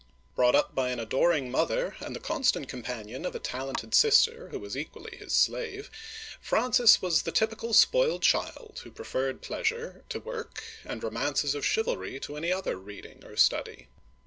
Brought up by an adoring mother, and the constant companion of a talented sister who was equally his slave, Francis was the typical spoiled child, who preferred pleas ure to work, and romances of chivalry to any other read ing or study.